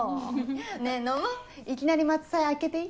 ねぇ飲もういきなり松祭開けていい？